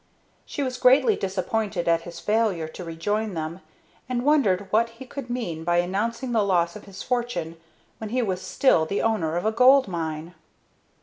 She was greatly disappointed at his failure to rejoin them, and wondered what he could mean by announcing the loss of his fortune when he was still the owner of a gold mine.